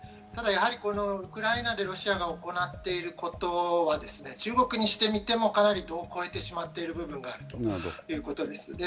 ただ、やはりウクライナでロシアが行っていることは、中国にしてみても、かなり度を超えてしまっているということです。